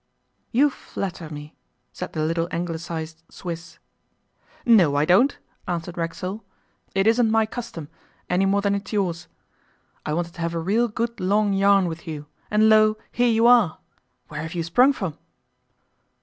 'You flatter me,' said the little Anglicized Swiss. 'No, I don't,' answered Racksole; 'it isn't my custom, any more than it's yours. I wanted to have a real good long yarn with you, and lo! here you are! Where have you sprung from?